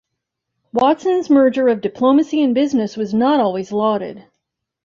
Watson's merger of diplomacy and business was not always lauded.